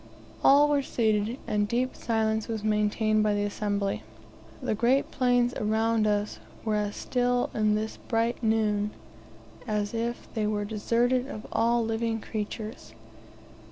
All were seated, and deep silence was maintained by the assembly. The great plains around us were as still in this bright noon as if they were deserted of all living creatures.